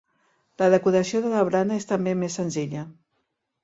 La decoració de la barana és també més senzilla.